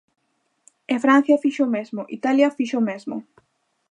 E Francia fixo o mesmo, Italia fixo o mesmo.